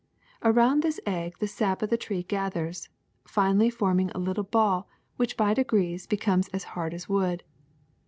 Around this egg the sap of the tree gathers, finally forming a little ball which by degrees becomes as hard as wood.